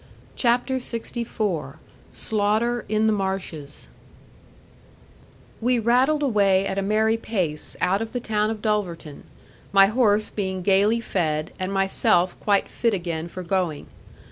CHAPTER LXIV SLAUGHTER IN THE MARSHES We rattled away at a merry pace, out of the town of Dulverton; my horse being gaily fed, and myself quite fit again for going.